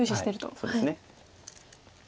そうですね。